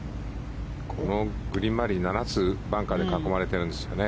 このグリーン周り７つのバンカーに囲まれてるんですね。